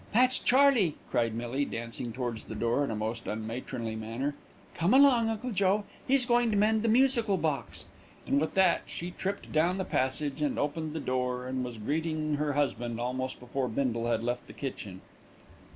"That's Charley," cried Millie, dancing towards the door in a most unmatronly manner. "Come along, Uncle Joe, he's going to mend the musical box," and with that she tripped down the passage, had opened the door and was greeting her husband almost before Bindle had left the kitchen.